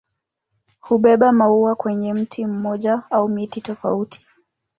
Hubeba maua kwenye mti mmoja au miti tofauti.